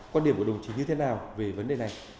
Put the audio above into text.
quan điểm của đồng chí như thế nào về vấn đề này